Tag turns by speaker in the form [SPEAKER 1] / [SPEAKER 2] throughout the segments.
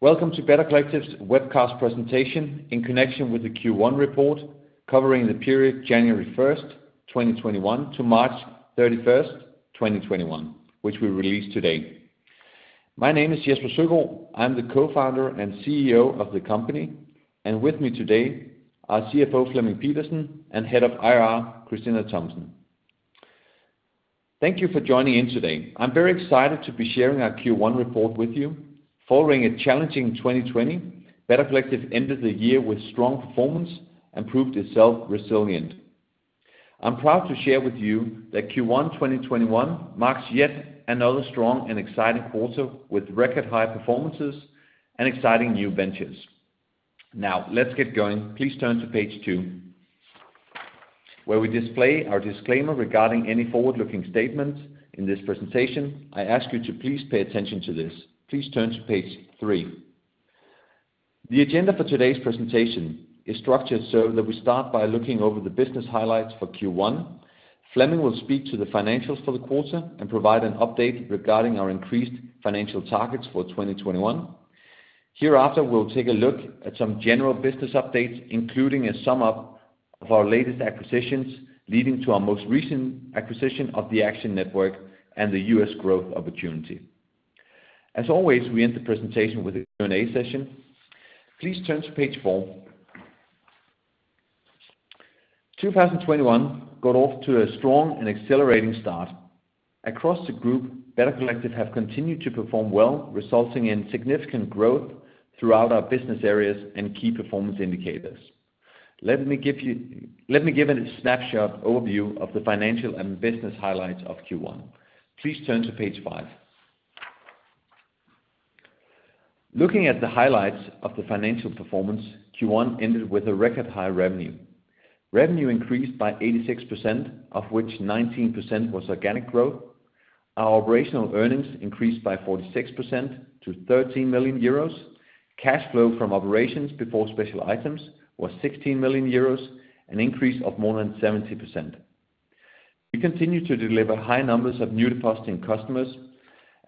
[SPEAKER 1] Welcome to Better Collective's webcast presentation in connection with the Q1 report, covering the period January 1st, 2021 to March 31st, 2021, which we release today. My name is Jesper Søgaard. I'm the Co-founder and CEO of the company, and with me today are CFO Flemming Pedersen and Head of IR Christina Bastius Thomsen. Thank you for joining in today. I'm very excited to be sharing our Q1 report with you. Following a challenging 2020, Better Collective ended the year with strong performance and proved itself resilient. I'm proud to share with you that Q1 2021 marks yet another strong and exciting quarter with record-high performances and exciting new ventures. Let's get going. Please turn to page two, where we display our disclaimer regarding any forward-looking statements in this presentation. I ask you to please pay attention to this. Please turn to page three. The agenda for today's presentation is structured so that we start by looking over the business highlights for Q1. Flemming will speak to the financials for the quarter and provide an update regarding our increased financial targets for 2021. Hereafter, we'll take a look at some general business updates, including a sum-up of our latest acquisitions, leading to our most recent acquisition of the Action Network and the U.S. growth opportunity. As always, we end the presentation with a Q&A session. Please turn to page four. 2021 got off to a strong and accelerating start. Across the group, Better Collective have continued to perform well, resulting in significant growth throughout our business areas and key performance indicators. Let me give a snapshot overview of the financial and business highlights of Q1. Please turn to page five. Looking at the highlights of the financial performance, Q1 ended with a record-high revenue. Revenue increased by 86%, of which 19% was organic growth. Our operational earnings increased by 46% to 13 million euros. Cash flow from operations before special items was 16 million euros, an increase of more than 70%. We continue to deliver high numbers of new depositing customers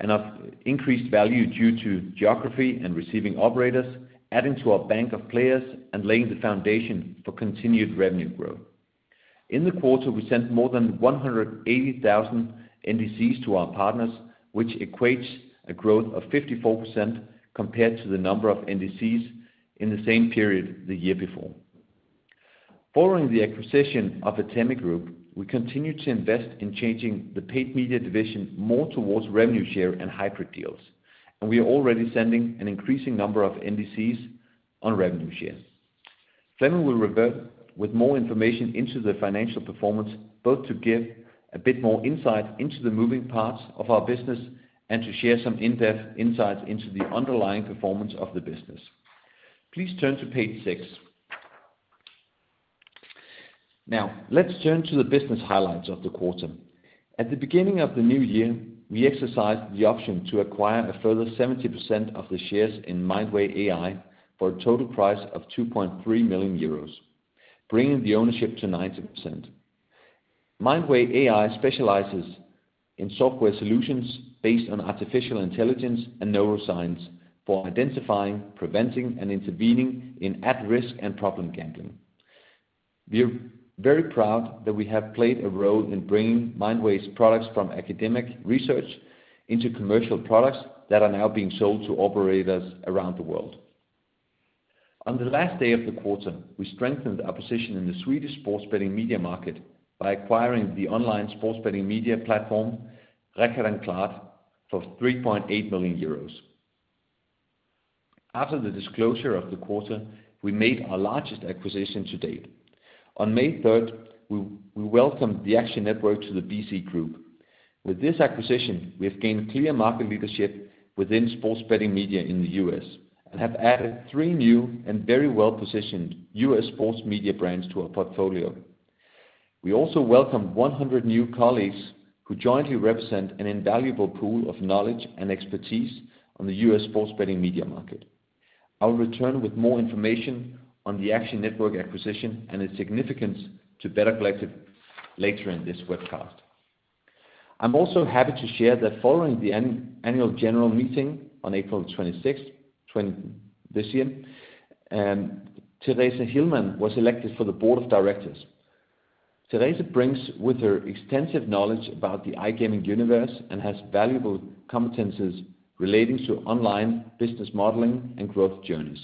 [SPEAKER 1] and have increased value due to geography and receiving operators, adding to our bank of players and laying the foundation for continued revenue growth. In the quarter, we sent more than 180,000 NDCs to our partners, which equates a growth of 54% compared to the number of NDCs in the same period the year before. Following the acquisition of Atemi Group, we continued to invest in changing the paid media division more towards revenue share and hybrid deals, and we are already sending an increasing number of NDCs on revenue share. Flemming will revert with more information into the financial performance, both to give a bit more insight into the moving parts of our business and to share some in-depth insights into the underlying performance of the business. Please turn to page six. Now, let's turn to the business highlights of the quarter. At the beginning of the new year, we exercised the option to acquire a further 70% of the shares in Mindway AI for a total price of 2.3 million euros, bringing the ownership to 90%. Mindway AI specializes in software solutions based on artificial intelligence and neuroscience for identifying, preventing, and intervening in at-risk and problem gambling. We are very proud that we have played a role in bringing Mindway's products from academic research into commercial products that are now being sold to operators around the world. On the last day of the quarter, we strengthened our position in the Swedish sports betting media market by acquiring the online sports betting media platform, Rekatochklart.com, for 3.8 million euros. After the disclosure of the quarter, we made our largest acquisition to date. On May 3rd, we welcomed the Action Network to the BC group. With this acquisition, we have gained clear market leadership within sports betting media in the U.S. and have added three new and very well-positioned U.S. sports media brands to our portfolio. We also welcomed 100 new colleagues, who jointly represent an invaluable pool of knowledge and expertise on the U.S. sports betting media market. I'll return with more information on the Action Network acquisition and its significance to Better Collective later in this webcast. I'm also happy to share that following the annual general meeting on April 26th this year, Therese Hillman was elected for the board of directors. Therese brings with her extensive knowledge about the iGaming universe and has valuable competencies relating to online business modeling and growth journeys,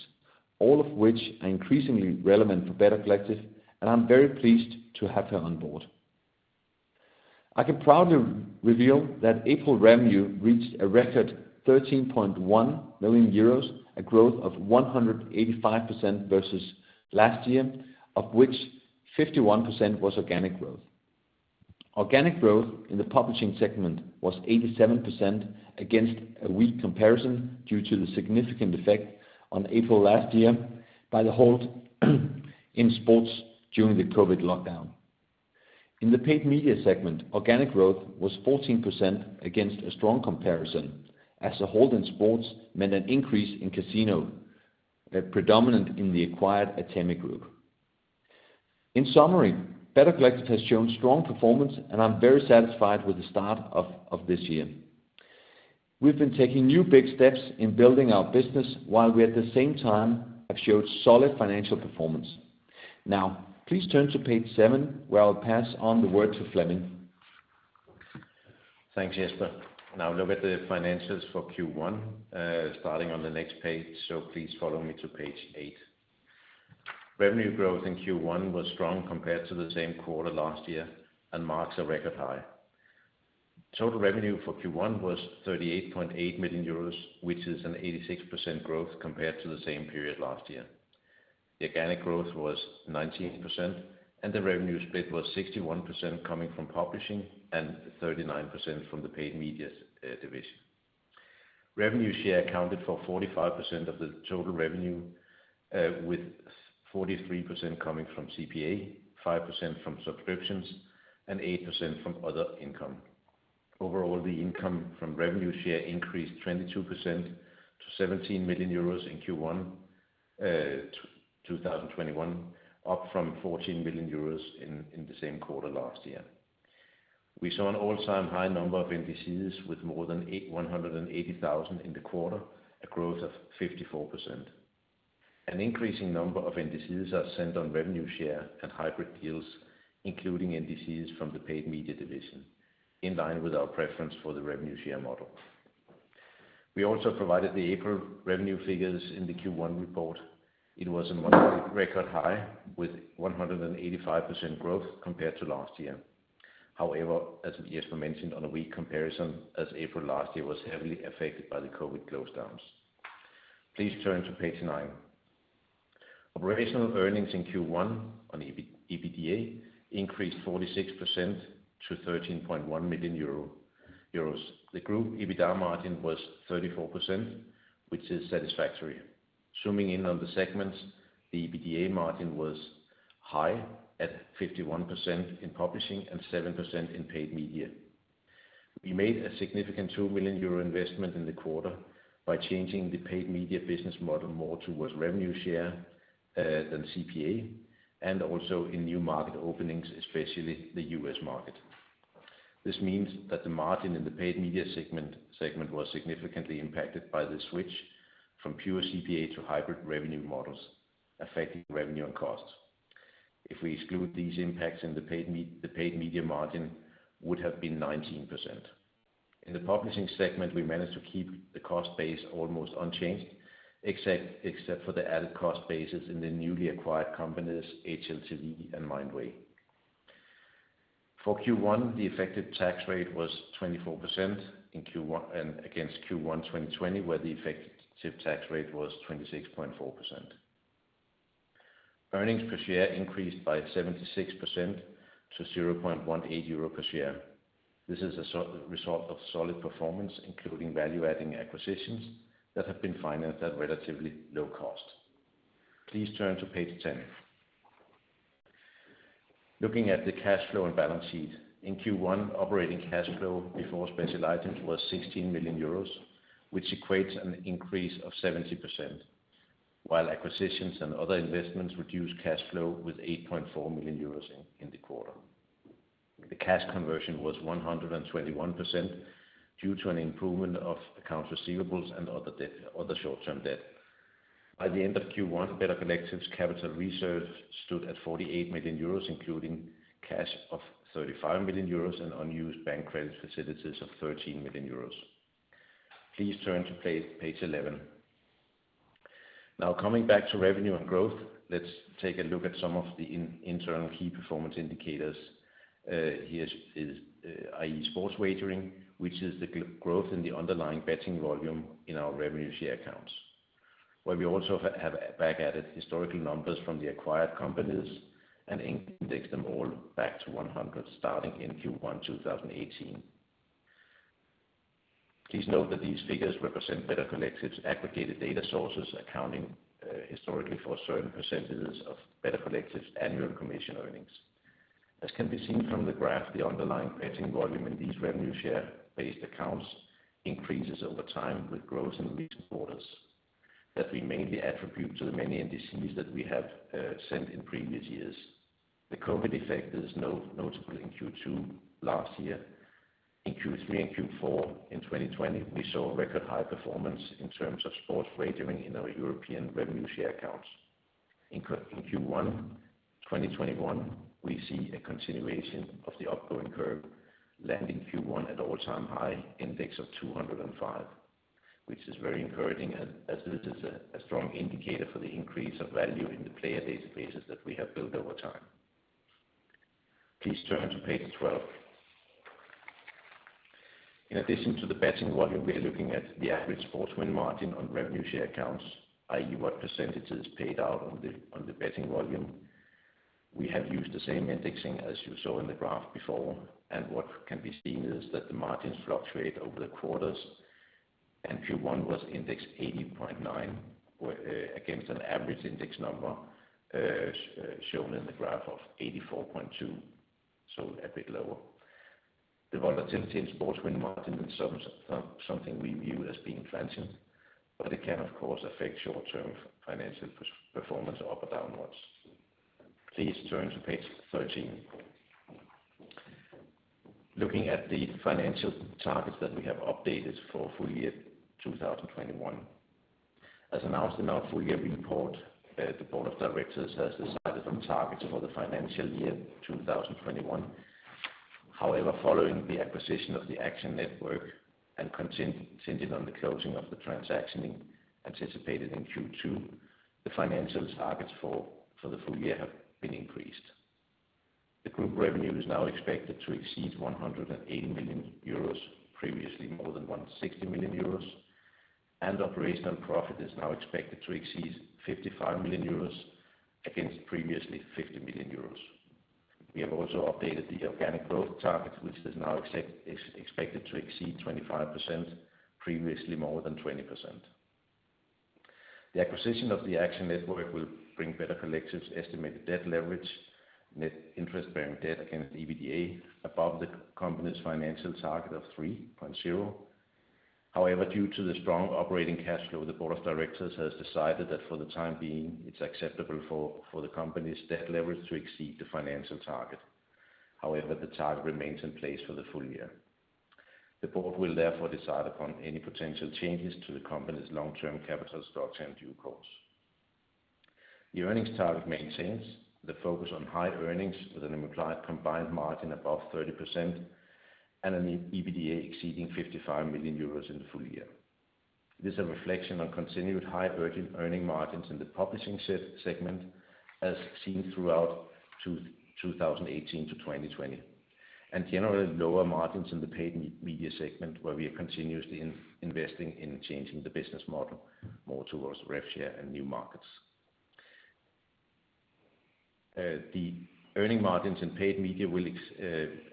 [SPEAKER 1] all of which are increasingly relevant for Better Collective, and I'm very pleased to have her on board. I can proudly reveal that April revenue reached a record 13.1 million euros, a growth of 185% versus last year, of which 51% was organic growth. Organic growth in the publishing segment was 87% against a weak comparison due to the significant effect on April last year by the halt in sports during the COVID lockdown. In the paid media segment, organic growth was 14% against a strong comparison, as a halt in sports meant an increase in casino predominant in the acquired Atemi Group. In summary, Better Collective has shown strong performance, and I'm very satisfied with the start of this year. We've been taking new big steps in building our business while we, at the same time, have showed solid financial performance. Now, please turn to page seven, where I'll pass on the word to Flemming.
[SPEAKER 2] Thanks, Jesper. Now look at the financials for Q1, starting on the next page, so please follow me to page eight. Revenue growth in Q1 was strong compared to the same quarter last year and marks a record high. Total revenue for Q1 was 38.8 million euros, which is an 86% growth compared to the same period last year. The organic growth was 19%, and the revenue split was 61% coming from publishing and 39% from the paid media division. Revenue share accounted for 45% of the total revenue, with 43% coming from CPA, 5% from subscriptions, and 8% from other income. Overall, the income from revenue share increased 22% to 17 million euros in Q1 2021, up from 14 million euros in the same quarter last year. We saw an all-time high number of NDCs with more than 180,000 in the quarter, a growth of 54%. An increasing number of NDCs are sent on revenue share and hybrid deals, including NDCs from the paid media division, in line with our preference for the revenue share model. We also provided the April revenue figures in the Q1 report. It was a monthly record high with 185% growth compared to last year. As Jesper mentioned, on a weak comparison as April last year was heavily affected by the COVID close downs. Please turn to page nine. Operational earnings in Q1 on EBITDA increased 46% to 13.1 million euro. The group EBITDA margin was 34%, which is satisfactory. Zooming in on the segments, the EBITDA margin was high at 51% in publishing and 7% in paid media. We made a significant 2 million euro investment in the quarter by changing the paid media business model more towards revenue share than CPA, and also in new market openings, especially the U.S. market. This means that the margin in the paid media segment was significantly impacted by the switch from pure CPA to hybrid revenue models, affecting revenue and costs. If we exclude these impacts, the paid media margin would have been 19%. In the publishing segment, we managed to keep the cost base almost unchanged, except for the added cost bases in the newly acquired companies, HLTV and Mindway. For Q1, the effective tax rate was 24% against Q1 2020, where the effective tax rate was 26.4%. Earnings per share increased by 76% to 0.18 euro per share. This is a result of solid performance, including value-adding acquisitions that have been financed at relatively low cost. Please turn to page 10. Looking at the cash flow and balance sheet. In Q1, operating cash flow before special items was 16 million euros, which equates an increase of 70%, while acquisitions and other investments reduced cash flow with 8.4 million euros in the quarter. The cash conversion was 121% due to an improvement of accounts receivables and other short-term debt. By the end of Q1, Better Collective's capital reserve stood at 48 million euros, including cash of 35 million euros and unused bank credit facilities of 13 million euros. Please turn to page 11. Now, coming back to revenue and growth, let's take a look at some of the internal key performance indicators. Here is i.e. sports wagering, which is the growth in the underlying betting volume in our revenue share accounts, where we also have back-added historical numbers from the acquired companies and indexed them all back to 100 starting in Q1 2018. Please note that these figures represent Better Collective's aggregated data sources, accounting historically for certain percentages of Better Collective's annual commission earnings. As can be seen from the graph, the underlying betting volume in these revenue share-based accounts increases over time with growth in recent quarters that we mainly attribute to the many NDCs that we have sent in previous years. The COVID effect is notable in Q2 last year. In Q3 and Q4 in 2020, we saw a record high performance in terms of sports wagering in our European revenue share accounts. In Q1 2021, we see a continuation of the outgoing curve landing Q1 at all-time high index of 205, which is very encouraging as this is a strong indicator for the increase of value in the player databases that we have built over time. Please turn to page 12. In addition to the betting volume, we are looking at the average sports win margin on revenue share accounts, i.e. what % is paid out on the betting volume. We have used the same indexing as you saw in the graph before, and what can be seen is that the margins fluctuate over the quarters, and Q1 was index 80.9 against an average index number shown in the graph of 84.2, so a bit lower. The volatility in sports win margin is something we view as being transient, but it can, of course, affect short-term financial performance up or downwards. Please turn to page 13. Looking at the financial targets that we have updated for full year 2021. As announced in our full year report, the board of directors has decided on targets for the financial year 2021. However, following the acquisition of the Action Network and contingent on the closing of the transaction anticipated in Q2, the financial targets for the full year have been increased. The group revenue is now expected to exceed 180 million euros, previously more than 160 million euros, and operational profit is now expected to exceed 55 million euros against previously 50 million euros. We have also updated the organic growth targets, which is now expected to exceed 25%, previously more than 20%. The acquisition of the Action Network will bring Better Collective's estimated debt leverage, net interest-bearing debt against EBITDA, above the company's financial target of 3.0. However, due to the strong operating cash flow, the board of directors has decided that for the time being, it's acceptable for the company's debt leverage to exceed the financial target. However, the target remains in place for the full year. The board will therefore decide upon any potential changes to the company's long-term capital structure in due course. The earnings target maintains the focus on high earnings with an implied combined margin above 30% and an EBITDA exceeding 55 million euros in the full year. It is a reflection on continued high earning margins in the publishing segment as seen throughout 2018 to 2020, and generally lower margins in the paid media segment where we are continuously investing in changing the business model more towards rev share and new markets. The earnings margins in paid media will,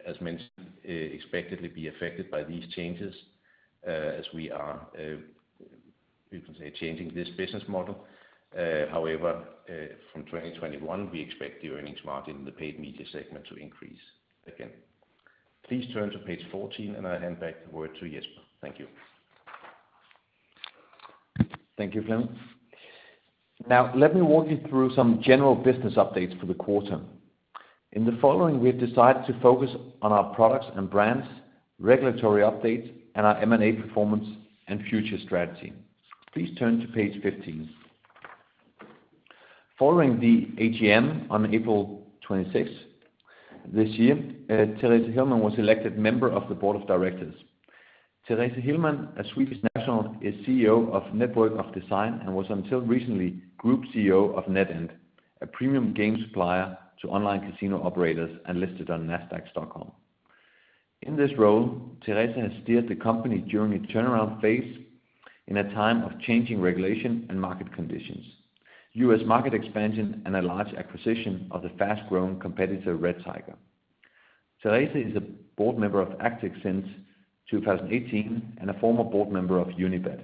[SPEAKER 2] as mentioned, expectedly be affected by these changes as we are, you can say, changing this business model. However, from 2021, we expect the earnings margin in the paid media segment to increase again. Please turn to page 14, and I hand back the word to Jesper. Thank you.
[SPEAKER 1] Thank you, Flemming. Now, let me walk you through some general business updates for the quarter. In the following, we have decided to focus on our products and brands, regulatory updates, and our M&A performance and future strategy. Please turn to page 15. Following the AGM on April 26 this year, Therese Hillman was elected member of the board of directors. Therese Hillman, a Swedish national, is CEO of Network of Design and was until recently Group CEO of NetEnt, a premium game supplier to online casino operators and listed on Nasdaq Stockholm. In this role, Therese has steered the company during a turnaround phase in a time of changing regulation and market conditions, U.S. market expansion, and a large acquisition of the fast-growing competitor, Red Tiger. Therese is a board member of Actic since 2018 and a former board member of Unibet.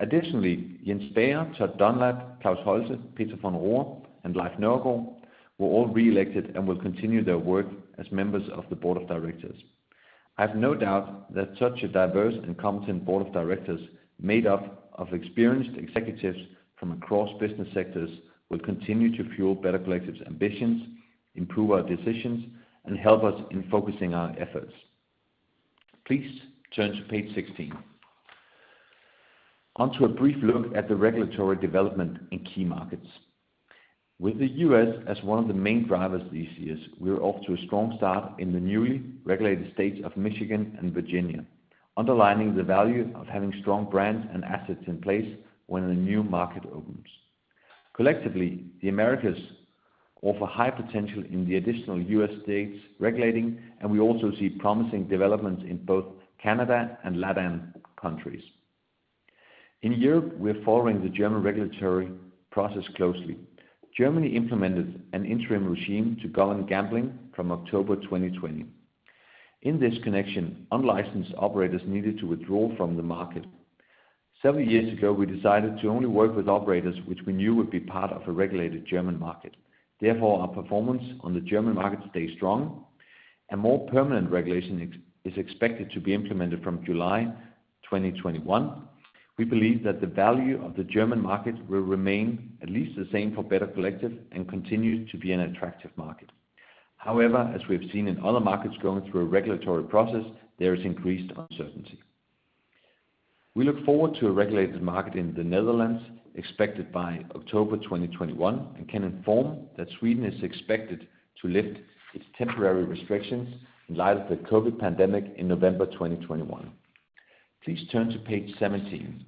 [SPEAKER 1] Additionally, Jens Bager, Todd Dunlap, Klaus Holse, Petra von Rohr, and Leif Nørgaard were all re-elected and will continue their work as members of the Board of Directors. I have no doubt that such a diverse and competent Board of Directors, made up of experienced executives from across business sectors, will continue to fuel Better Collective's ambitions, improve our decisions, and help us in focusing our efforts. Please turn to page 16. Onto a brief look at the regulatory development in key markets. With the U.S. as one of the main drivers these years, we're off to a strong start in the newly regulated states of Michigan and Virginia, underlining the value of having strong brands and assets in place when a new market opens. Collectively, the Americas offer high potential in the additional U.S. states regulating, and we also see promising developments in both Canada and LATAM countries. In Europe, we're following the German regulatory process closely. Germany implemented an interim regime to govern gambling from October 2020. In this connection, unlicensed operators needed to withdraw from the market. Several years ago, we decided to only work with operators which we knew would be part of a regulated German market. Therefore, our performance on the German market stays strong. A more permanent regulation is expected to be implemented from July 2021. We believe that the value of the German market will remain at least the same for Better Collective and continue to be an attractive market. However, as we have seen in other markets going through a regulatory process, there is increased uncertainty. We look forward to a regulated market in the Netherlands expected by October 2021 and can inform that Sweden is expected to lift its temporary restrictions in light of the COVID pandemic in November 2021. Please turn to page 17.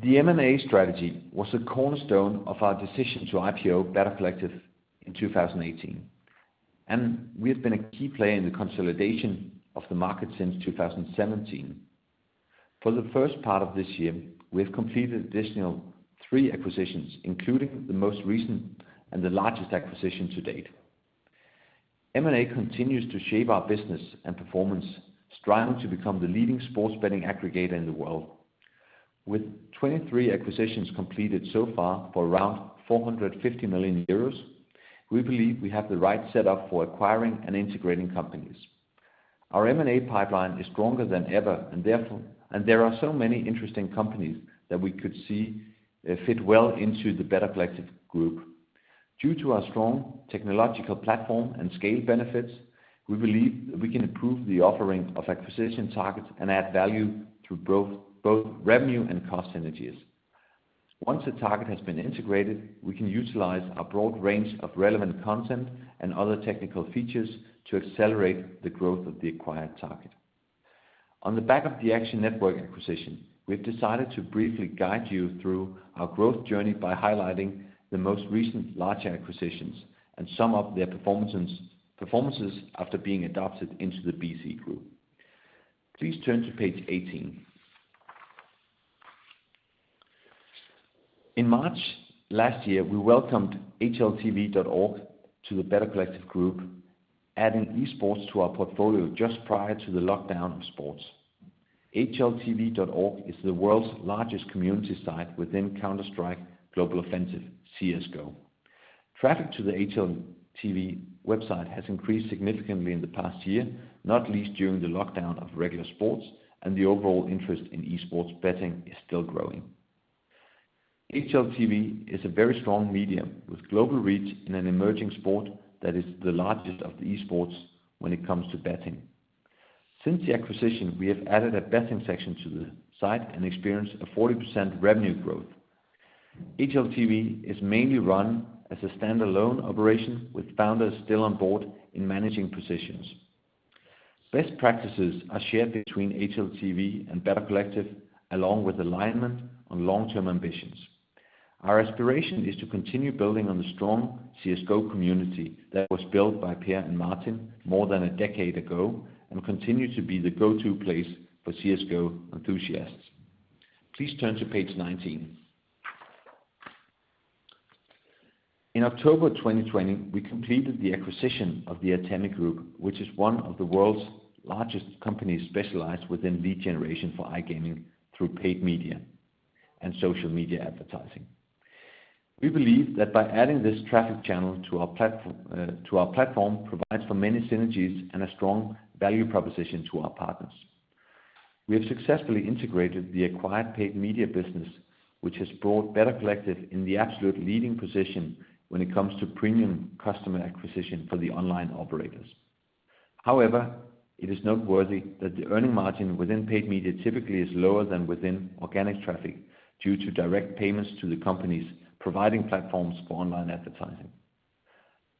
[SPEAKER 1] The M&A strategy was a cornerstone of our decision to IPO Better Collective in 2018, and we have been a key player in the consolidation of the market since 2017. For the first part of this year, we have completed additional three acquisitions, including the most recent and the largest acquisition to date. M&A continues to shape our business and performance, striving to become the leading sports betting aggregator in the world. With 23 acquisitions completed so far for around 450 million euros, we believe we have the right setup for acquiring and integrating companies. Our M&A pipeline is stronger than ever, and there are so many interesting companies that we could see fit well into the Better Collective group. Due to our strong technological platform and scale benefits, we believe we can improve the offering of acquisition targets and add value through both revenue and cost synergies. Once a target has been integrated, we can utilize our broad range of relevant content and other technical features to accelerate the growth of the acquired target. On the back of the Action Network acquisition, we've decided to briefly guide you through our growth journey by highlighting the most recent large acquisitions and some of their performances after being adopted into the BC group. Please turn to page 18. In March last year, we welcomed HLTV.org to the Better Collective group, adding esports to our portfolio just prior to the lockdown of sports. HLTV.org is the world's largest community site within Counter-Strike: Global Offensive, CS:GO. Traffic to the HLTV website has increased significantly in the past year, not least during the lockdown of regular sports, and the overall interest in esports betting is still growing. HLTV is a very strong medium with global reach in an emerging sport that is the largest of the esports when it comes to betting. Since the acquisition, we have added a betting section to the site and experienced a 40% revenue growth. HLTV is mainly run as a standalone operation with founders still on board in managing positions. Best practices are shared between HLTV and Better Collective, along with alignment on long-term ambitions. Our aspiration is to continue building on the strong CS:GO community that was built by Pierre and Martin more than a decade ago and continue to be the go-to place for CS:GO enthusiasts. Please turn to page 19. In October 2020, we completed the acquisition of the Atemi Group, which is one of the world's largest companies specialized within lead generation for iGaming through paid media and social media advertising. We believe that by adding this traffic channel to our platform provides for many synergies and a strong value proposition to our partners. We have successfully integrated the acquired paid media business, which has brought Better Collective in the absolute leading position when it comes to premium customer acquisition for the online operators. However, it is noteworthy that the earning margin within paid media typically is lower than within organic traffic due to direct payments to the companies providing platforms for online advertising.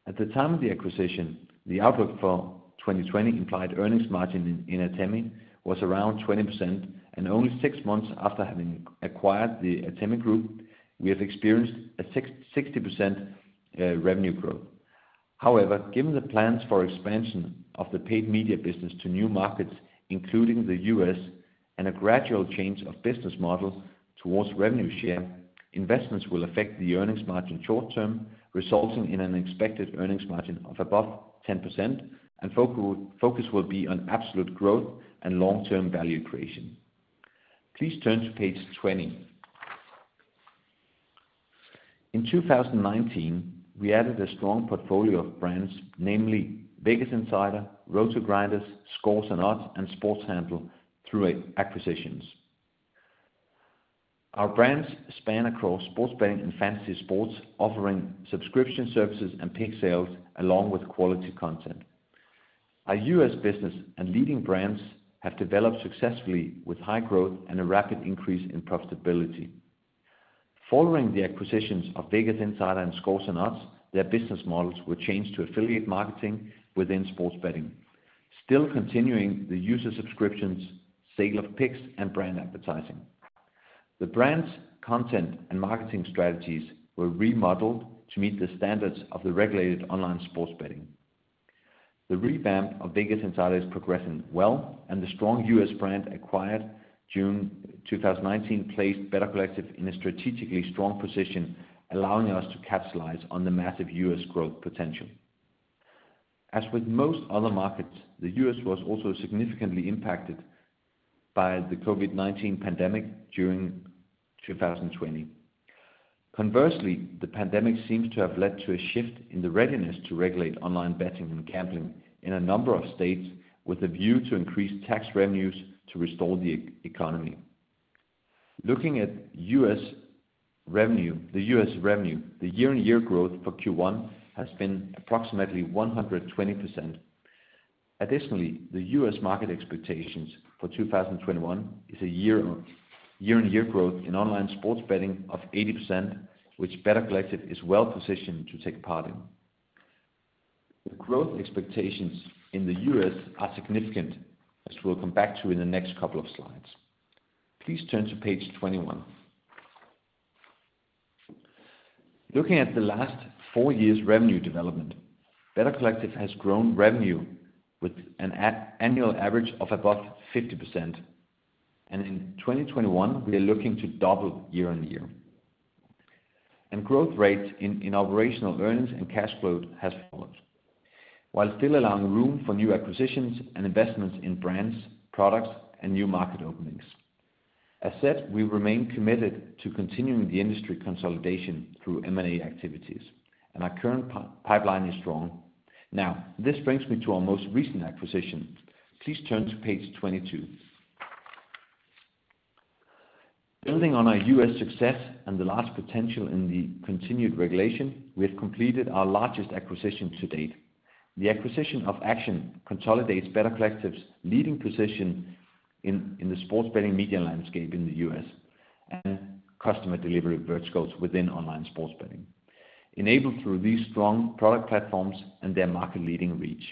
[SPEAKER 1] At the time of the acquisition, the outlook for 2020 implied earnings margin in Atemi was around 20%, and only six months after having acquired the Atemi Group, we have experienced a 60% revenue growth. However, given the plans for expansion of the paid media business to new markets, including the U.S., and a gradual change of business model towards revenue share, investments will affect the earnings margin short-term, resulting in an expected earnings margin of above 10% and focus will be on absolute growth and long-term value creation. Please turn to page 20. In 2019, we added a strong portfolio of brands, namely VegasInsider, RotoGrinders, ScoresAndOdds, and Sports Handle, through acquisitions. Our brands span across sports betting and fantasy sports, offering subscription services and pick sales along with quality content. Our U.S. business and leading brands have developed successfully with high growth and a rapid increase in profitability. Following the acquisitions of VegasInsider and ScoresAndOdds, their business models were changed to affiliate marketing within sports betting, still continuing the user subscriptions, sale of picks, and brand advertising. The brands' content and marketing strategies were remodeled to meet the standards of the regulated online sports betting. The revamp of VegasInsider is progressing well, and the strong U.S. brand acquired June 2019 placed Better Collective in a strategically strong position, allowing us to capitalize on the massive U.S. growth potential. As with most other markets, the U.S. was also significantly impacted by the COVID-19 pandemic during 2020. Conversely, the pandemic seems to have led to a shift in the readiness to regulate online betting and gambling in a number of states with a view to increase tax revenues to restore the economy. Looking at the U.S. revenue, the year-on-year growth for Q1 has been approximately 120%. Additionally, the U.S. market expectations for 2021 is a year-on-year growth in online sports betting of 80%, which Better Collective is well-positioned to take a part in. The growth expectations in the U.S. are significant, as we'll come back to in the next couple of slides. Please turn to page 21. Looking at the last four years' revenue development, Better Collective has grown revenue with an annual average of above 50%, and in 2021, we are looking to double year-on-year. Growth rate in operational earnings and cash flow has followed, while still allowing room for new acquisitions and investments in brands, products, and new market openings. As said, we remain committed to continuing the industry consolidation through M&A activities, and our current pipeline is strong. This brings me to our most recent acquisition. Please turn to page 22. Building on our U.S. success and the large potential in the continued regulation, we have completed our largest acquisition to date. The acquisition of Action consolidates Better Collective's leading position in the sports betting media landscape in the U.S. and customer delivery verticals within online sports betting, enabled through these strong product platforms and their market-leading reach.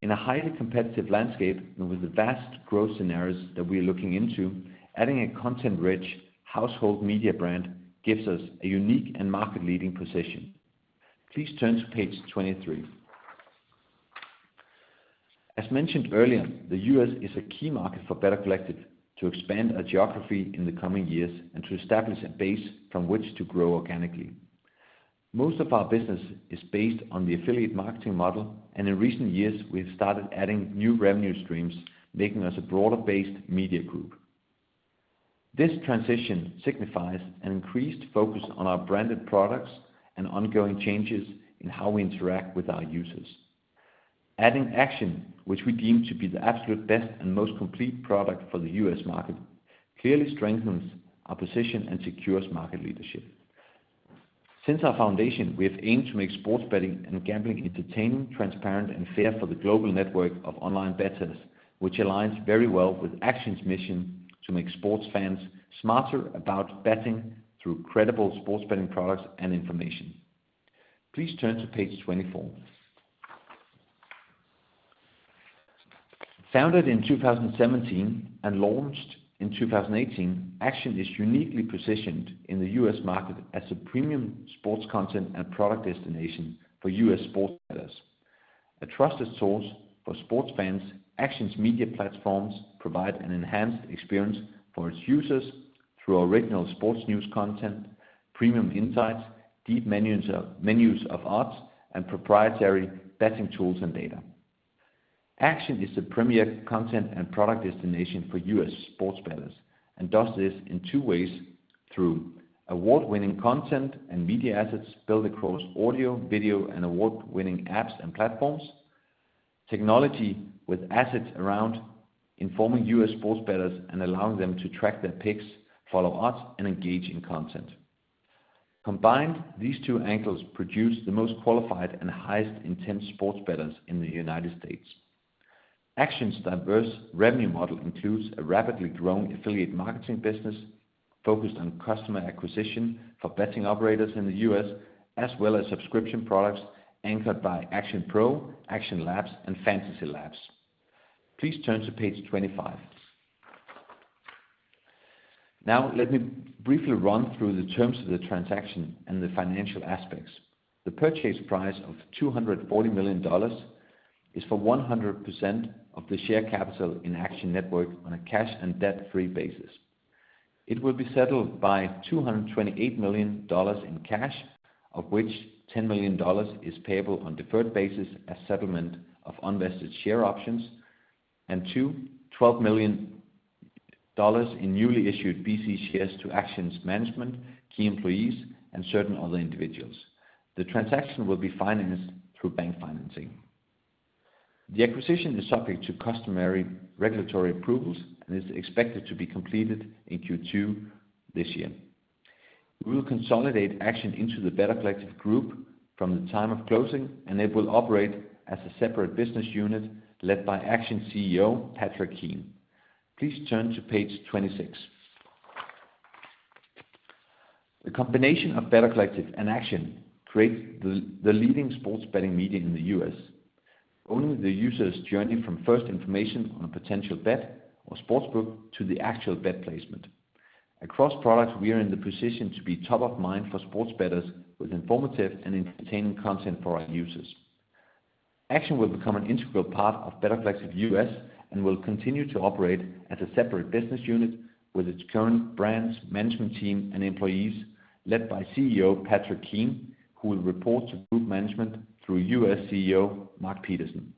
[SPEAKER 1] In a highly competitive landscape and with the vast growth scenarios that we are looking into, adding a content-rich household media brand gives us a unique and market-leading position. Please turn to page 23. As mentioned earlier, the U.S. is a key market for Better Collective to expand our geography in the coming years and to establish a base from which to grow organically. Most of our business is based on the affiliate marketing model, and in recent years, we have started adding new revenue streams, making us a broader-based media group. This transition signifies an increased focus on our branded products and ongoing changes in how we interact with our users. Adding Action, which we deem to be the absolute best and most complete product for the U.S. market, clearly strengthens our position and secures market leadership. Since our foundation, we have aimed to make sports betting and gambling entertaining, transparent, and fair for the global network of online bettors, which aligns very well with Action's mission to make sports fans smarter about betting through credible sports betting products and information. Please turn to page 24. Founded in 2017 and launched in 2018, Action is uniquely positioned in the U.S. market as a premium sports content and product destination for U.S. sports bettors. A trusted source for sports fans, Action's media platforms provide an enhanced experience for its users through original sports news content, premium insights, deep menus of odds, and proprietary betting tools and data. Action is the premier content and product destination for US sports bettors and does this in two ways: through award-winning content and media assets built across audio, video, and award-winning apps and platforms. Technology with assets around informing US sports bettors and allowing them to track their picks, follow odds, and engage in content. Combined, these two angles produce the most qualified and highest intent sports bettors in the United States. Action's diverse revenue model includes a rapidly growing affiliate marketing business focused on customer acquisition for betting operators in the US, as well as subscription products anchored by Action PRO, Action Labs, and FantasyLabs. Please turn to page 25. Let me briefly run through the terms of the transaction and the financial aspects. The purchase price of $240 million is for 100% of the share capital in Action Network on a cash and debt-free basis. It will be settled by $228 million in cash, of which $10 million is payable on deferred basis as settlement of unvested share options, and 2, $12 million in newly issued BC shares to Action's management, key employees, and certain other individuals. The transaction will be financed through bank financing. The acquisition is subject to customary regulatory approvals and is expected to be completed in Q2 this year. We will consolidate Action into the Better Collective group from the time of closing, and it will operate as a separate business unit led by Action CEO Patrick Keane. Please turn to page 26. The combination of Better Collective and Action creates the leading sports betting media in the U.S., owning the user's journey from first information on a potential bet or sportsbook to the actual bet placement. Across products, we are in the position to be top of mind for sports bettors with informative and entertaining content for our users. Action will become an integral part of Better Collective US and will continue to operate as a separate business unit with its current brands, management team, and employees, led by CEO Patrick Keane, who will report to group management through U.S. CEO Marc Pedersen.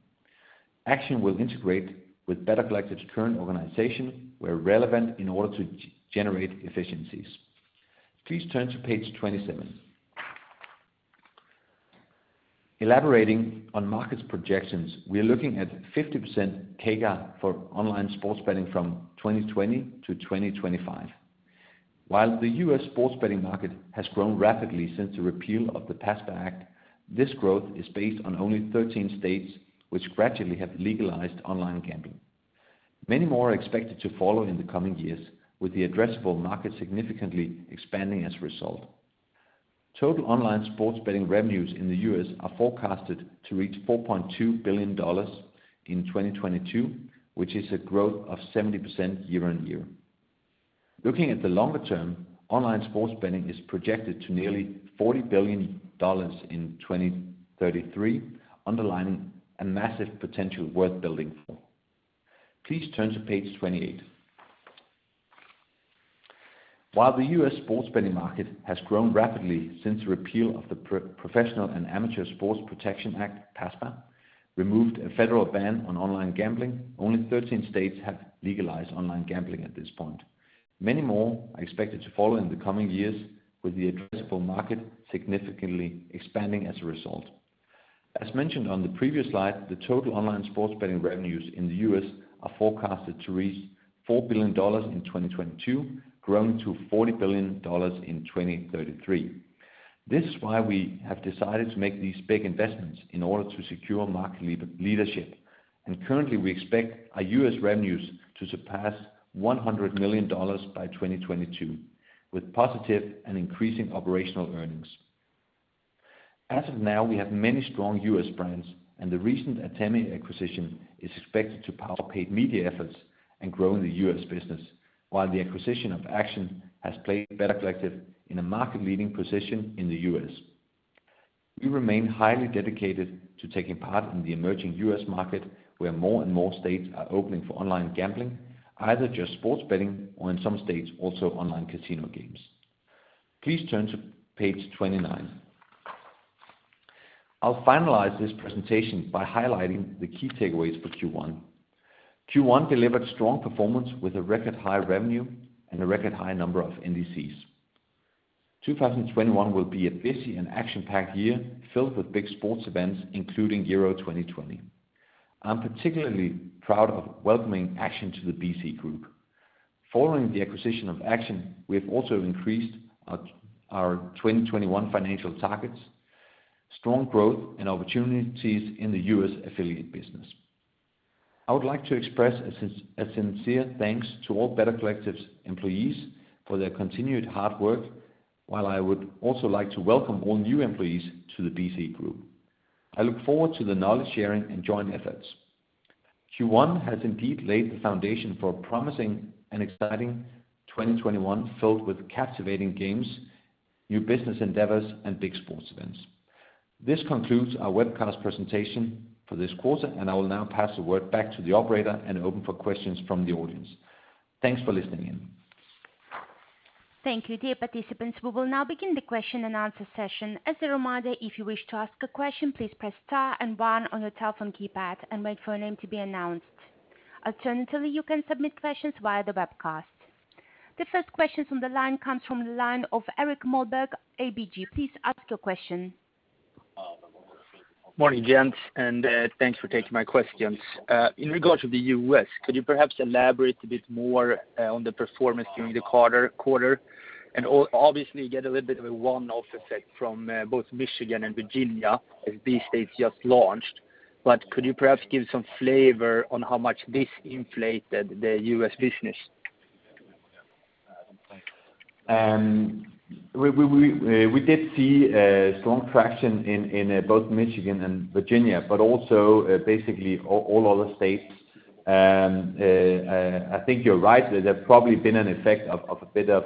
[SPEAKER 1] Action will integrate with Better Collective's current organization where relevant in order to generate efficiencies. Please turn to page 27. Elaborating on markets projections, we are looking at 50% CAGR for online sports betting from 2020 to 2025. While the U.S. sports betting market has grown rapidly since the repeal of the PASPA Act, this growth is based on only 13 states which gradually have legalized online gambling. Many more are expected to follow in the coming years, with the addressable market significantly expanding as a result. Total online sports betting revenues in the U.S. are forecasted to reach $4.2 billion in 2022, which is a growth of 70% year-on-year. Looking at the longer term, online sports betting is projected to nearly $40 billion in 2033, underlining a massive potential worth building for. Please turn to page 28. While the U.S. sports betting market has grown rapidly since the repeal of the Professional and Amateur Sports Protection Act, PASPA removed a federal ban on online gambling. Only 13 states have legalized online gambling at this point. Many more are expected to follow in the coming years, with the addressable market significantly expanding as a result. As mentioned on the previous slide, the total online sports betting revenues in the U.S. are forecasted to reach $4 billion in 2022, growing to $40 billion in 2033. This is why we have decided to make these big investments in order to secure market leadership. Currently, we expect our U.S. revenues to surpass $100 million by 2022, with positive and increasing operational earnings. As of now, we have many strong U.S. brands, and the recent Atemi acquisition is expected to power paid media efforts and grow the U.S. business. While the acquisition of Action has placed Better Collective in a market-leading position in the U.S., we remain highly dedicated to taking part in the emerging U.S. market, where more and more states are opening for online gambling, either just sports betting or in some states, also online casino games. Please turn to page 29. I'll finalize this presentation by highlighting the key takeaways for Q1. Q1 delivered strong performance with a record high revenue and a record high number of NDCs. 2021 will be a busy and action-packed year filled with big sports events, including Euro 2020. I'm particularly proud of welcoming Action to the BC group. Following the acquisition of Action, we have also increased our 2021 financial targets, strong growth, and opportunities in the U.S. affiliate business. I would like to express a sincere thanks to all Better Collective's employees for their continued hard work. I would also like to welcome all new employees to the BC group. I look forward to the knowledge-sharing and joint efforts. Q1 has indeed laid the foundation for a promising and exciting 2021, filled with captivating games, new business endeavors, and big sports events. This concludes our webcast presentation for this quarter, and I will now pass the word back to the operator and open for questions from the audience. Thanks for listening in.
[SPEAKER 3] Thank you. Dear participants, we will now begin the question and answer session. As a reminder, if you wish to ask a question, please press star 1 on your telephone keypad and wait for your name to be announced. Alternatively, you can submit questions via the webcast. The first question from the line comes from the line of Erik Moberg, ABG. Please ask your question.
[SPEAKER 4] Morning, gents, and thanks for taking my questions. In regards to the U.S., could you perhaps elaborate a bit more on the performance during the quarter? Obviously, you get a little bit of a one-off effect from both Michigan and Virginia as these states just launched. Could you perhaps give some flavor on how much this inflated the U.S. business?
[SPEAKER 1] We did see strong traction in both Michigan and Virginia, but also basically all other states. I think you're right that there's probably been an effect of a bit of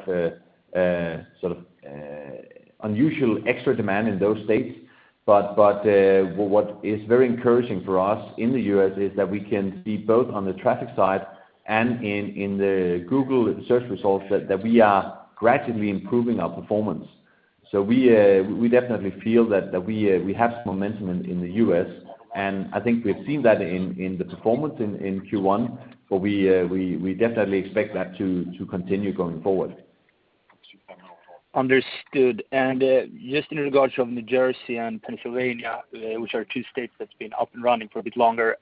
[SPEAKER 1] unusual extra demand in those states. What is very encouraging for us in the U.S. is that we can see both on the traffic side and in the Google search results that we are gradually improving our performance. We definitely feel that we have some momentum in the U.S., and I think we've seen that in the performance in Q1, but we definitely expect that to continue going forward.
[SPEAKER 4] Understood. Just in regards of New Jersey and Pennsylvania, which are two states that's been up and running for a bit longer,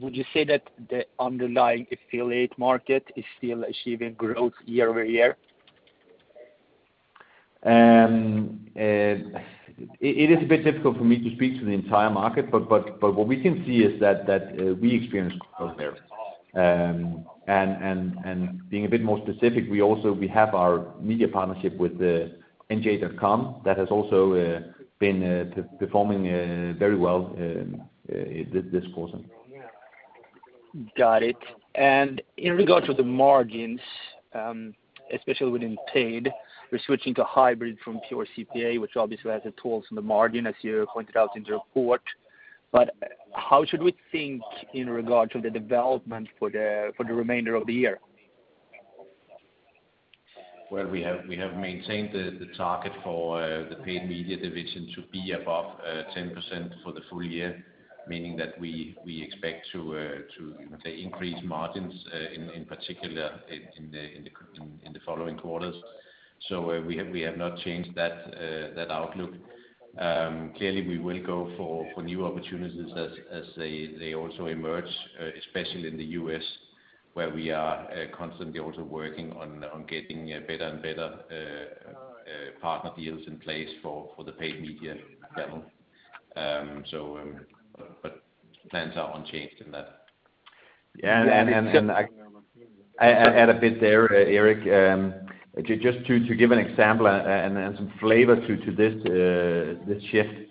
[SPEAKER 4] would you say that the underlying affiliate market is still achieving growth year-over-year?
[SPEAKER 1] It is a bit difficult for me to speak to the entire market, but what we can see is that we experienced growth there. Being a bit more specific, we have our media partnership with nj.com that has also been performing very well this quarter.
[SPEAKER 4] Got it. In regards to the margins, especially within paid, we're switching to hybrid from pure CPA, which obviously has a toll on the margin, as you pointed out in the report. How should we think in regard to the development for the remainder of the year?
[SPEAKER 2] Well, we have maintained the target for the paid media division to be above 10% for the full year, meaning that we expect to increase margins in particular in the following quarters. We have not changed that outlook. Clearly, we will go for new opportunities as they also emerge, especially in the U.S., where we are constantly also working on getting better and better partner deals in place for the paid media channel. Plans are unchanged in that. Yeah. I add a bit there, Erik. Just to give an example and some flavor to this shift.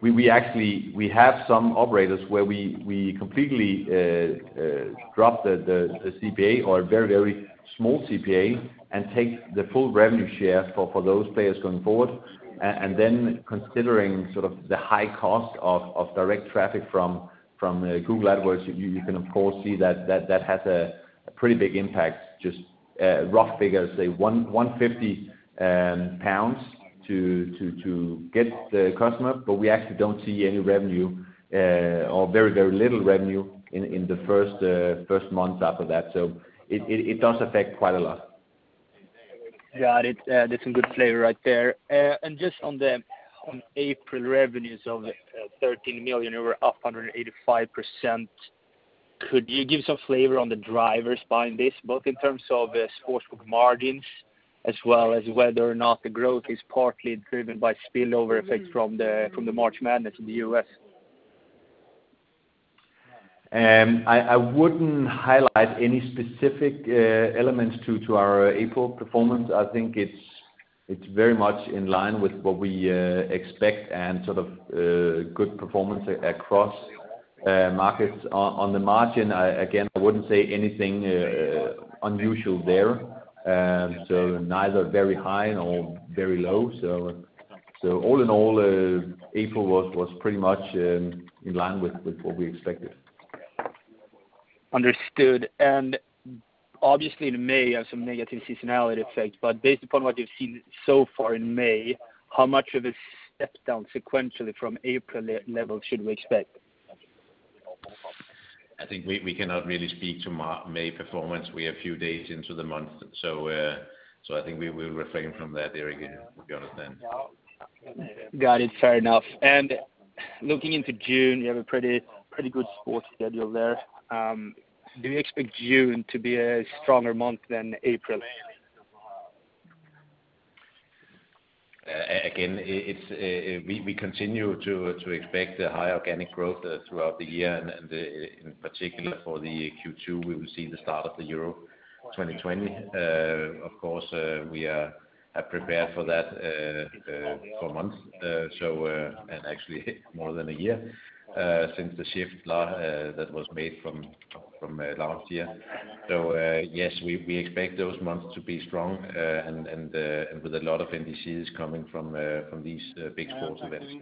[SPEAKER 2] We have some operators where we completely drop the CPA or very small CPA and take the full revenue share for those players going forward. Considering the high cost of direct traffic from Google Ads, you can of course see that has a pretty big impact, just rough figures, say 150 pounds to get the customer. We actually don't see any revenue or very little revenue in the first month after that. It does affect quite a lot.
[SPEAKER 4] Got it. That's some good flavor right there. Just on the April revenues of 13 million, we're up 185%. Could you give some flavor on the drivers behind this, both in terms of the sportsbook margins as well as whether or not the growth is partly driven by spillover effects from the March Madness in the U.S.?
[SPEAKER 1] I wouldn't highlight any specific elements to our April performance. I think it's very much in line with what we expect and sort of good performance across markets. On the margin, again, I wouldn't say anything unusual there. Neither very high nor very low. All in all, April was pretty much in line with what we expected.
[SPEAKER 4] Understood. Obviously in May you have some negative seasonality effect, based upon what you've seen so far in May, how much of a step down sequentially from April level should we expect?
[SPEAKER 1] I think we cannot really speak to May performance. We are a few days into the month. I think we will refrain from that, Erik, if you understand.
[SPEAKER 4] Got it. Fair enough. Looking into June, you have a pretty good sports schedule there. Do you expect June to be a stronger month than April?
[SPEAKER 1] Again, we continue to expect high organic growth throughout the year and in particular for the Q2, we will see the start of the Euro 2020. Of course, we are prepared for that for months. Actually more than a year, since the shift that was made from last year. Yes, we expect those months to be strong and with a lot of NDCs coming from these big sports events.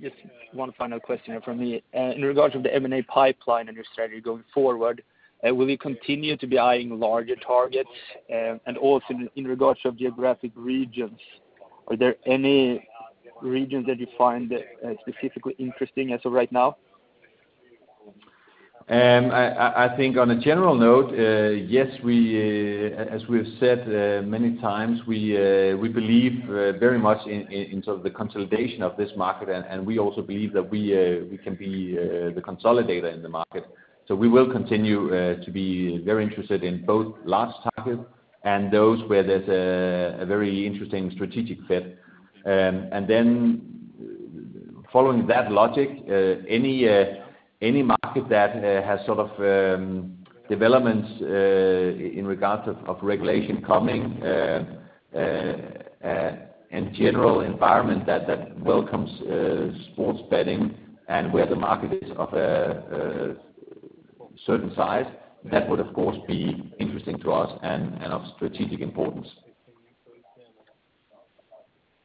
[SPEAKER 4] Just one final question from me. In regards to the M&A pipeline and your strategy going forward, will you continue to be eyeing larger targets? Also in regards of geographic regions, are there any regions that you find specifically interesting as of right now?
[SPEAKER 1] I think on a general note yes, as we've said many times, we believe very much in the consolidation of this market, and we also believe that we can be the consolidator in the market. We will continue to be very interested in both large targets and those where there's a very interesting strategic fit. Following that logic, any market that has sort of developments in regards of regulation coming and general environment that welcomes sports betting and where the market is of a certain size, that would of course be interesting to us and of strategic importance.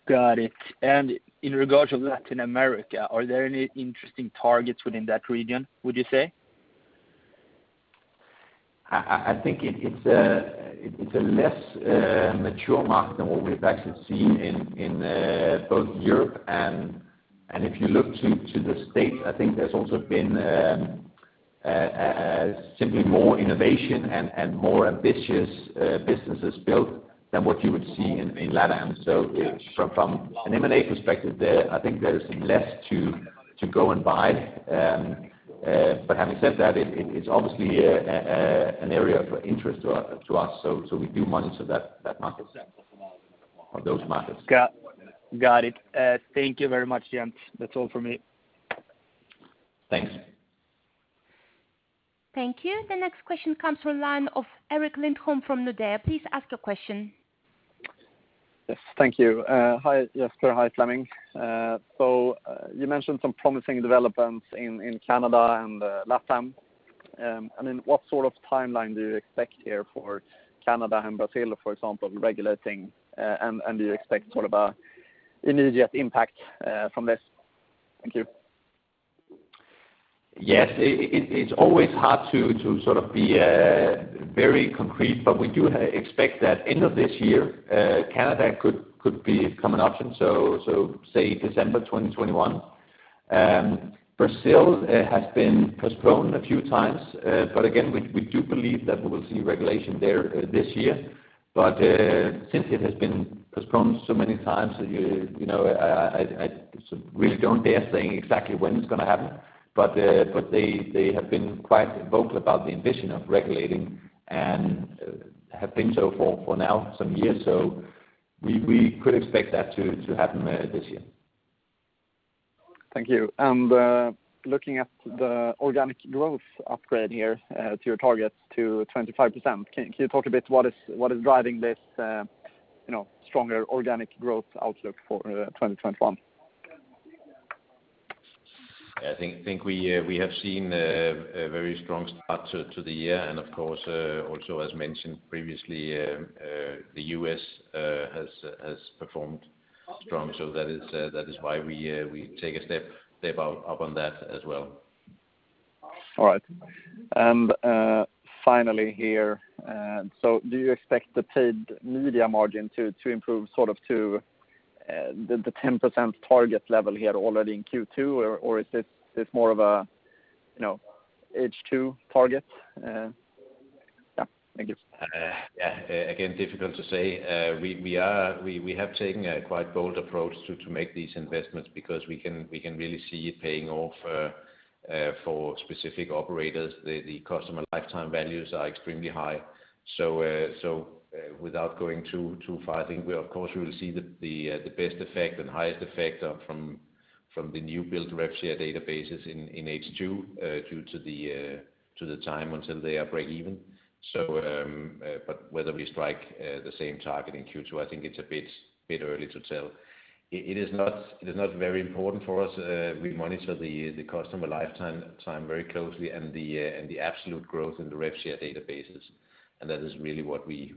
[SPEAKER 4] Got it. In regards to Latin America, are there any interesting targets within that region, would you say?
[SPEAKER 1] I think it's a less mature market than what we've actually seen in both Europe and if you look to the U.S., I think there's also been simply more innovation and more ambitious businesses built than what you would see in LATAM. From an M&A perspective, I think there is less to go and buy. Having said that, it's obviously an area of interest to us, we do monitor that market or those markets.
[SPEAKER 4] Got it. Thank you very much, gents. That's all from me.
[SPEAKER 1] Thanks.
[SPEAKER 3] Thank you. The next question comes from line of Erik Lindholm from Nordea. Please ask your question.
[SPEAKER 5] Yes. Thank you. Hi, Jesper. Hi, Flemming. You mentioned some promising developments in Canada and LATAM. I mean, what sort of timeline do you expect here for Canada and Brazil, for example, regulating and do you expect sort of an immediate impact from this? Thank you.
[SPEAKER 1] Yes. It's always hard to sort of be very concrete, but we do expect that end of this year Canada could become an option. Say December 2021. Brazil has been postponed a few times, but again, we do believe that we will see regulation there this year. Since it has been postponed so many times, I really don't dare saying exactly when it's going to happen. They have been quite vocal about the ambition of regulating and have been so for now some years. We could expect that to happen this year.
[SPEAKER 5] Thank you. Looking at the organic growth upgrade here to your targets to 25%, can you talk a bit what is driving this stronger organic growth outlook for 2021?
[SPEAKER 2] I think we have seen a very strong start to the year and of course, also as mentioned previously, the U.S. has performed strong. That is why we take a step up on that as well.
[SPEAKER 5] All right. Finally here, do you expect the paid media margin to improve to the 10% target level here already in Q2? Or is this more of a H2 target? Yeah. Thank you.
[SPEAKER 2] Yeah. Again, difficult to say. We have taken a quite bold approach to make these investments because we can really see it paying off for specific operators. The customer lifetime values are extremely high. Without going too far, I think we of course will see the best effect and highest effect from the new build rev share databases in H2, due to the time until they are breakeven. Whether we strike the same target in Q2, I think it's a bit early to tell. It is not very important for us. We monitor the customer lifetime very closely and the absolute growth in the rev share databases. That is really what we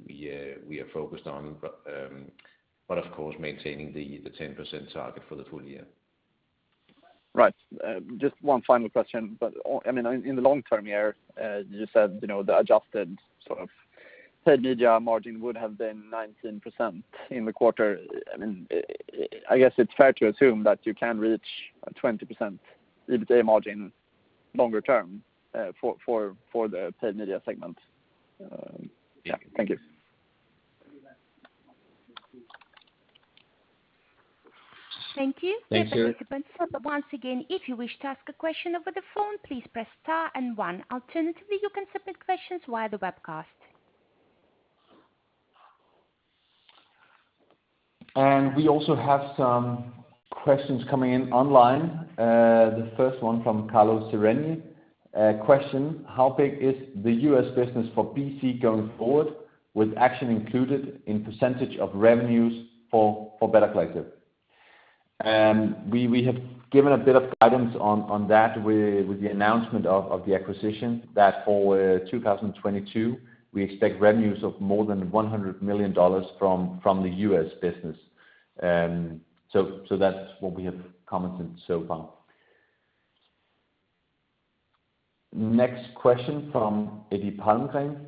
[SPEAKER 2] are focused on. Of course, maintaining the 10% target for the full year.
[SPEAKER 5] Right. Just one final question. In the long term here, you said the adjusted paid media margin would have been 19% in the quarter. I guess it's fair to assume that you can reach a 20% EBITDA margin longer term for the paid media segment. Yeah, thank you.
[SPEAKER 3] Thank you.
[SPEAKER 5] Thank you.
[SPEAKER 3] Dear participants, once again, if you wish to ask a question over the phone, please press star and one. Alternatively, you can submit questions via the webcast.
[SPEAKER 1] We also have some questions coming in online. The first one from Carlos Sereni. How big is the U.S. business for BC going forward with Action included in percentage of revenues for Better Collective? We have given a bit of guidance on that with the announcement of the acquisition, that for 2022, we expect revenues of more than $100 million from the U.S. business. That's what we have commented so far. Next question from Eddie Palmgren.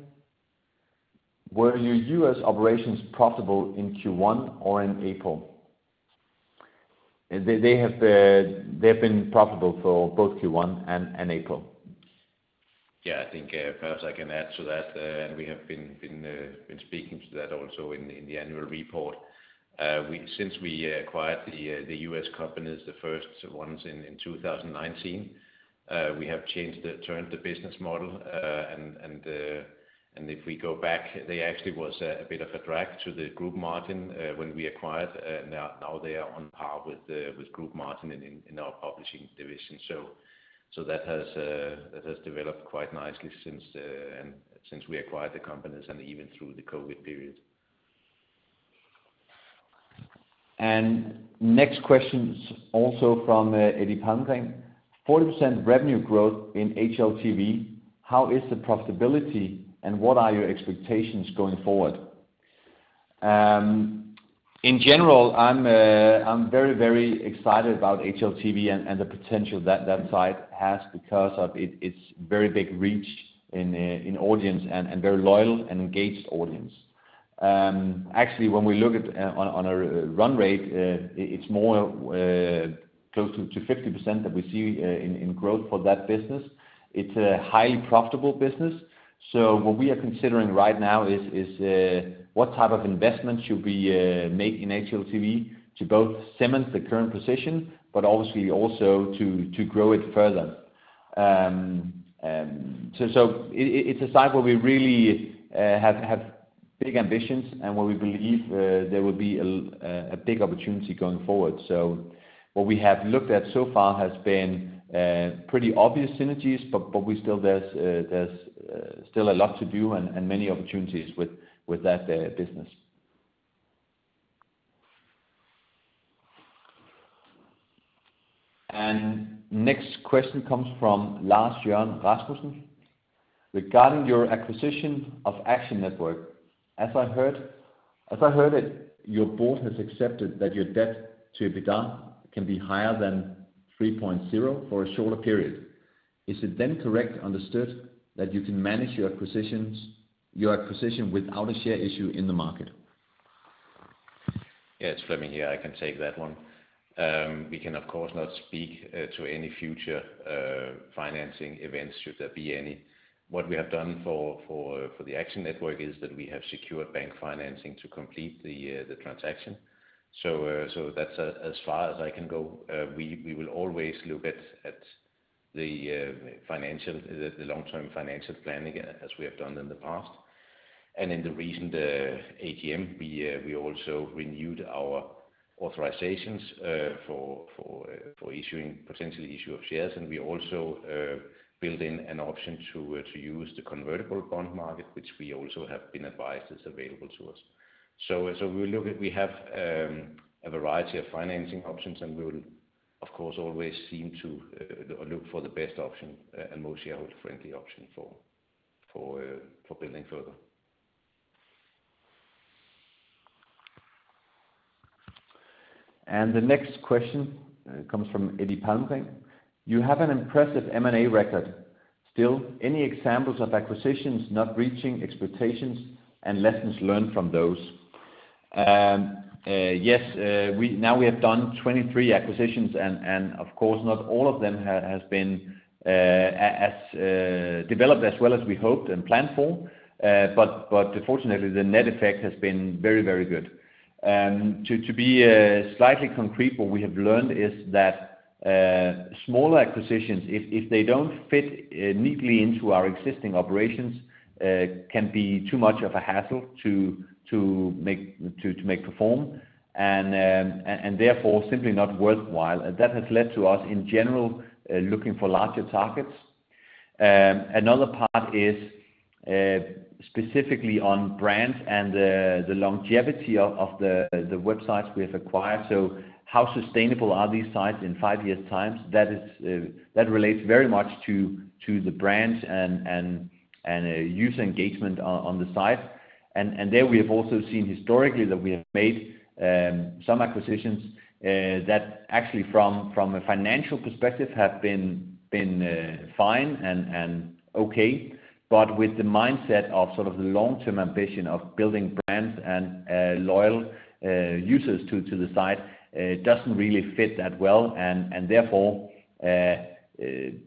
[SPEAKER 1] Were your U.S. operations profitable in Q1 or in April? They have been profitable for both Q1 and April. I think, Per, I can add to that, and we have been speaking to that also in the annual report. Since we acquired the U.S. companies, the first ones in 2019, we have changed the business model. If we go back, they actually was a bit of a drag to the group margin when we acquired. Now they are on par with group margin in our publishing division. That has developed quite nicely since we acquired the companies and even through the COVID period. Next question is also from Eddie Palmgren. 40% revenue growth in HLTV. How is the profitability and what are your expectations going forward? In general, I'm very excited about HLTV and the potential that that site has because of its very big reach in audience and very loyal and engaged audience. Actually, when we look on a run rate, it's more close to 50% that we see in growth for that business. It's a highly profitable business. What we are considering right now is what type of investment should we make in HLTV to both cement the current position, but obviously also to grow it further. It's a site where we really have big ambitions and where we believe there will be a big opportunity going forward. What we have looked at so far has been pretty obvious synergies, but there's still a lot to do and many opportunities with that business. Next question comes from Lars Jørgen Rasmussen. Regarding your acquisition of Action Network, as I heard it, your board has accepted that your debt to EBITDA can be higher than 3.0 for a shorter period. Is it then correctly understood that you can manage your acquisition without a share issue in the market?
[SPEAKER 2] Yeah, it's Flemming here, I can take that one. We can of course not speak to any future financing events, should there be any. What we have done for the Action Network is that we have secured bank financing to complete the transaction. That's as far as I can go. We will always look at the long-term financial plan, as we have done in the past. In the recent AGM, we also renewed our authorizations for potential issue of shares. We also build in an option to use the convertible bond market, which we also have been advised is available to us. We have a variety of financing options, and we will, of course, always look for the best option and most shareholder-friendly option for building further.
[SPEAKER 1] The next question comes from Eddie Palmgren. You have an impressive M&A record. Still, any examples of acquisitions not reaching expectations and lessons learned from those? Yes. Now we have done 23 acquisitions and, of course, not all of them have developed as well as we hoped and planned for. Fortunately, the net effect has been very good. To be slightly concrete, what we have learned is that smaller acquisitions, if they don't fit neatly into our existing operations, can be too much of a hassle to make perform, and therefore simply not worthwhile. That has led to us, in general, looking for larger targets. Another part is specifically on brands and the longevity of the websites we have acquired. How sustainable are these sites in five years' time? That relates very much to the brands and user engagement on the site. There we have also seen historically that we have made some acquisitions that actually from a financial perspective have been fine and okay. With the mindset of long-term ambition of building brands and loyal users to the site, it doesn't really fit that well, and therefore,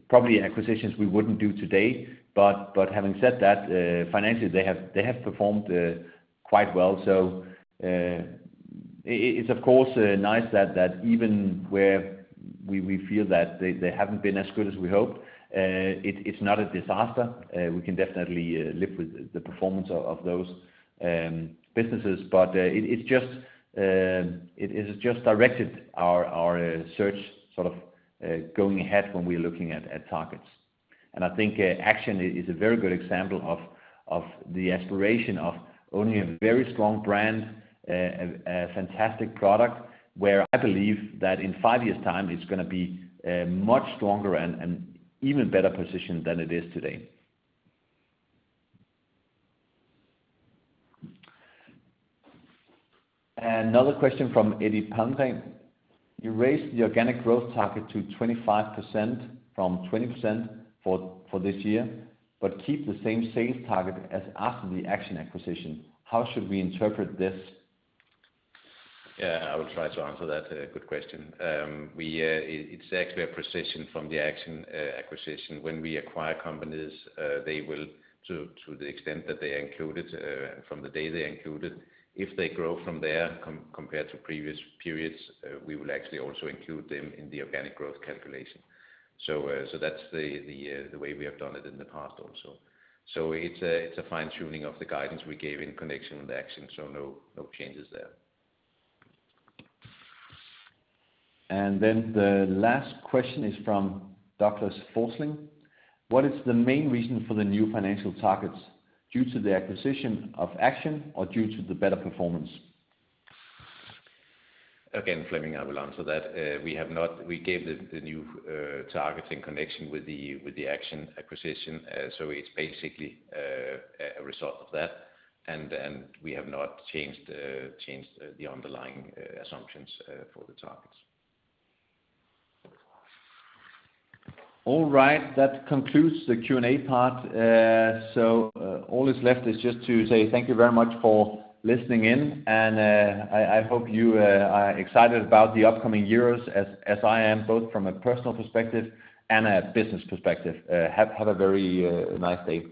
[SPEAKER 1] probably acquisitions we wouldn't do today. Having said that, financially they have performed quite well. It's of course nice that even where we feel that they haven't been as good as we hoped, it's not a disaster. We can definitely live with the performance of those businesses. It has just directed our search sort of going ahead when we're looking at targets. I think Action is a very good example of the aspiration of owning a very strong brand, a fantastic product, where I believe that in five years' time, it's going to be much stronger and even better positioned than it is today. Another question from Eddie Palmgren. You raised the organic growth target to 25% from 20% for this year, but keep the same sales target as after the Action acquisition. How should we interpret this?
[SPEAKER 2] Yeah, I will try to answer that. Good question. It is actually a precision from the Action acquisition. When we acquire companies, they will, to the extent that they are included, from the day they are included, if they grow from there compared to previous periods, we will actually also include them in the organic growth calculation. That is the way we have done it in the past also. It is a fine-tuning of the guidance we gave in connection with Action. No changes there.
[SPEAKER 1] The last question is from Douglas Forsling. What is the main reason for the new financial targets? Due to the acquisition of Action or due to the better performance?
[SPEAKER 2] Flemming, I will answer that. We gave the new target in connection with the Action acquisition. It's basically a result of that, and we have not changed the underlying assumptions for the targets.
[SPEAKER 1] All right. That concludes the Q&A part. All is left is just to say thank you very much for listening in, and I hope you are excited about the upcoming years as I am, both from a personal perspective and a business perspective. Have a very nice day.